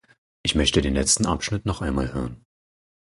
Ich möchte den letzten Abschnitt noch einmal hören.